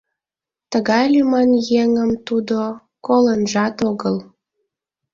Тыгай лӱман еҥым тудо колынжат огыл.